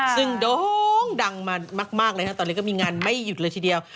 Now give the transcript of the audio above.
ซึ่งโด่งดังมามากเลยตอนนี้ก็มีงานไม่หยุดเลยทีเดียว